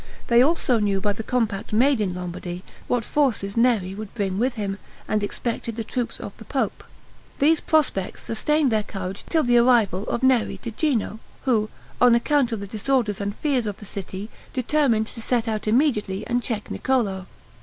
They also knew by the compact made in Lombardy what forces Neri would bring with him, and expected the troops of the pope. These prospects sustained their courage till the arrival of Neri di Gino, who, on account of the disorders and fears of the city, determined to set out immediately and check Niccolo.